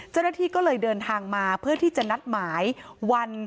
เจ้าหน้าที่ก็เลยเดินทางมาเพื่อที่จะนัดหมายวัน